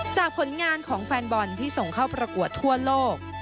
ผลงานของแฟนบอลที่ส่งเข้าประกวดทั่วโลก